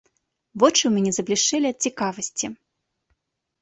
Вочы ў мяне заблішчэлі ад цікавасці.